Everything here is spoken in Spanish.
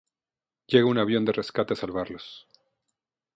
Llega un avión de rescate a salvarlos.